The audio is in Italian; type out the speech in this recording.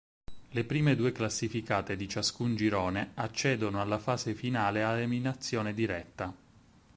Le prime due classificate di ciascun girone accedono alla fase finale a eliminazione diretta.